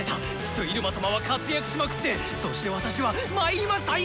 きっと入間様は活躍しまくってそして私は「まいりました！